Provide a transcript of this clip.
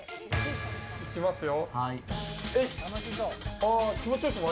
いきますよ。